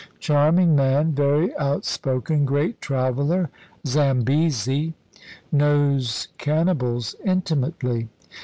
Charming man very outspoken great traveller Zambesi knows cannibals intimately!"